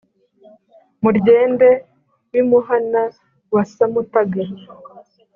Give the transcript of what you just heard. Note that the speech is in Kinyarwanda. muryende w’imuhana wa samutaga,